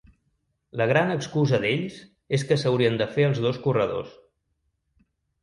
La gran excusa d’ells és que s’haurien de fer els dos corredors.